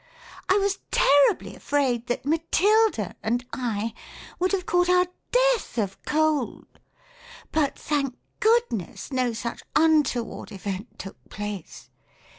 I was terribly afraid that Matilda and I would have caught our Death of cold ; but thank Good ness no such nnloicard event took place.